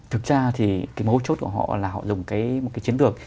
thực ra thì cái mối chốt của họ là họ dùng cái một cái chiến lược